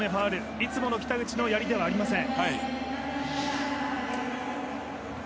いつもの北口のやりではありません。